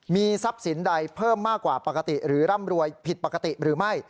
มีทรัพย์สินใดเพิ่มมากกว่าปกติหรือร่ำรวยผิดปกติหรือไม่